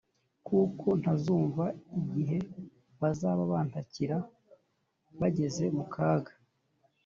kuko ntazumva igihe bazaba bantakira bageze mu kaga